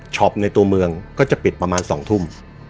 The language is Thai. ในตัวเมืองก็จะปิดประมาณ๒ทุ่ม